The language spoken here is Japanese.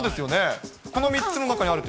この３つの中にある。